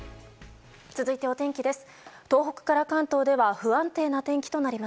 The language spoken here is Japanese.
続いてお天気です。